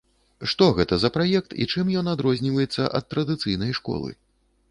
Што гэта за праект і чым ён адрозніваецца ад традыцыйнай школы?